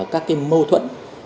các cái mâu thuẫn